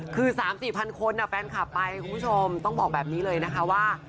คือ๓๔พันคนแฟนคลับไปคุณผู้ชมต้องบอกแบบนี้เลยนะคะว่า